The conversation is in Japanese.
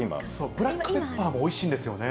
ブラックペッパーもおいしいんですよね。